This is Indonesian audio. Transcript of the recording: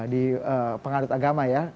di pengadut agama ya